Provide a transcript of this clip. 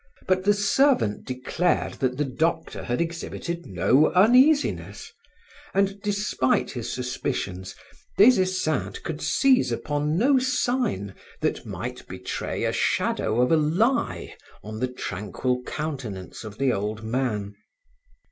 But the servant declared that the doctor had exhibited no uneasiness, and despite his suspicions, Des Esseintes could seize upon no sign that might betray a shadow of a lie on the tranquil countenance of the old man.